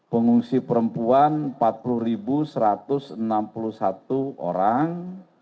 pengungsi perempuan empat puluh satu ratus enam puluh satu orang